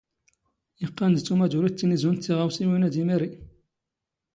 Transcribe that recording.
ⵉⵇⵇⴰⵏ ⴷ ⵜⵓⵎ ⴰⴷ ⵓⵔ ⵉⵜⵜⵉⵏⵉ ⵣⵓⵏ ⴷ ⵜⵉⵖⴰⵡⵙⵉⵡⵉⵏ ⴰⴷ ⵉ ⵎⴰⵔⵉ.